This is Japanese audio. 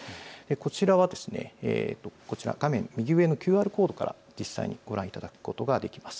こちらは画面右上のＱＲコードから実際にご覧いただくことができます。